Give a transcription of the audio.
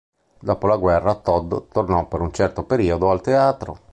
Dopo la guerra Todd tornò per un certo periodo al teatro.